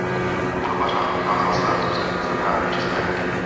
Podoba řádu vycházela z francouzského vyznamenání Čestné legie.